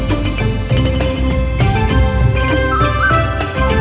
โชว์สี่ภาคจากอัลคาซ่าครับ